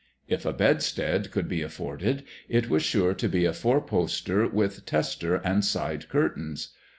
If a bedstead could be afforded it was sure to be a four poster with tester and side curtains.